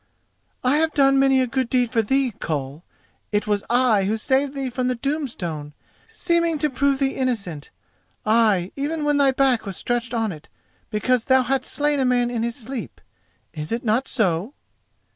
"I have done many a good deed for thee, Koll. It was I who saved thee from the Doom stone, seeming to prove thee innocent—ay, even when thy back was stretched on it, because thou hadst slain a man in his sleep. Is it not so?"